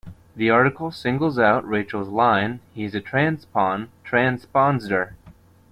The article singles out Rachel's line He's a transpon-transpondster!